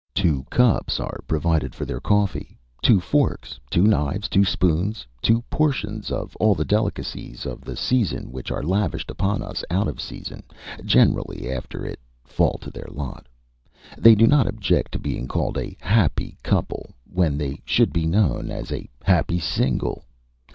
Two cups are provided for their coffee. Two forks, two knives, two spoons, two portions of all the delicacies of the season which are lavished upon us out of season generally after it fall to their lot. They do not object to being called a happy couple, when they should be known as a happy single.